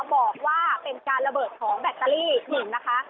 บอกว่าเป็นการระเบิดของแบตเตอรี่หญิงนะคะ